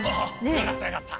よかったよかった。